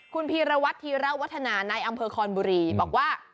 คุณพีรวัตรธีระวัฒนาในอำเภอคอนบุรีบอกว่า